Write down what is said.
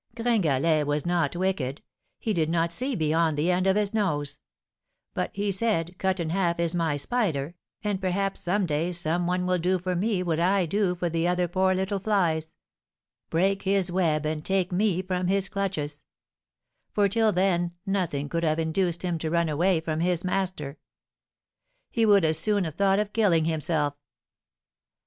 Gringalet was not wicked; he did not see beyond the end of his nose; but he said,'Cut in Half is my spider, and perhaps some day some one will do for me what I do for the other poor little flies, break his web and take me from his clutches;' for till then nothing could have induced him to run away from his master; he would as soon have thought of killing himself.